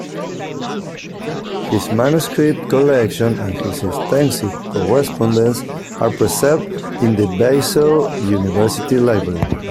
His manuscript collection and his extensive correspondence are preserved in the Basel University Library.